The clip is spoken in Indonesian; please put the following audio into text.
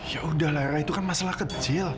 yaudah lah itu kan masalah kecil